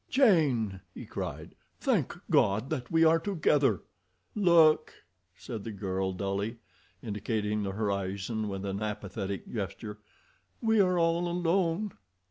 "Jane!" he cried. "Thank God that we are together!" "Look," said the girl dully, indicating the horizon with an apathetic gesture. "We are all alone."